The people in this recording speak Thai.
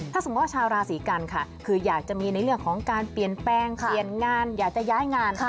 ถ้าสมมุติว่าชาวราศีกันค่ะคืออยากจะมีในเรื่องของการเปลี่ยนแปลงเปลี่ยนงานอยากจะย้ายงาน